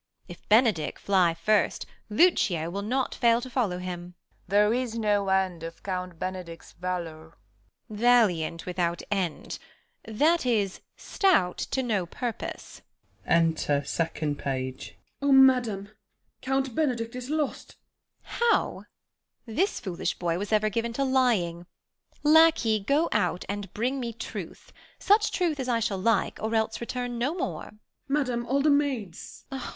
if Benedick Fly first, Lucio will not fail to follow him. 1 Page. There is no end of Count Benedick's valour. Beat. Valiant without end ; that is, stout to no purpose. Enter 2. Page. 2. Page. Oh madam ! Count Benedick is lost. Beat. How 1 This foolish boy was ever given to lying Lacquey, go out, and bring me truth ; such truth As I shall like, or else return no more. 2. Page. Madam, all the maids Beat.